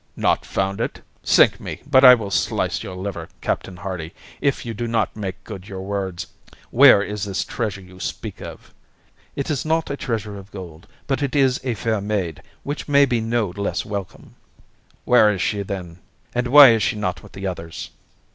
"Not found it? Sink me, but I will slice your liver, Captain Hardy, if you do not make good your words! Where is this treasure you speak of?" "It is not a treasure of gold, but it is a fair maid, which may be no less welcome." "Where is she, then? And why is she not with the others?"